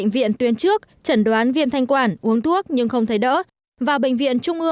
vừa điều trị một ca bệnh hy hiểu